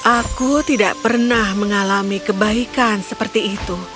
aku tidak pernah mengalami kebaikan seperti itu